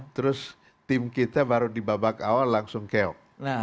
terus tim kita baru di babak awal langsung keok